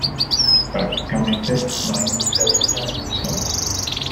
Prácticamente no hay industria digna de mención.